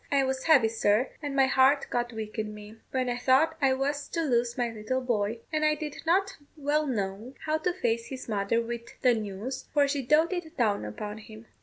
I was heavy, sir, and my heart got weak in me, when I thought I was to lose my little boy; and I did not well know how to face his mother with the news, for she doated down upon him.